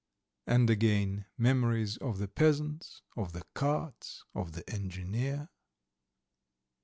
And again memories of the peasants, of the carts, of the engineer.